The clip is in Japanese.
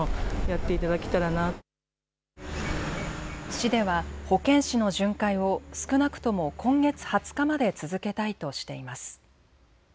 市では保健師の巡回を少なくとも今月２０日まで続けたいとしています。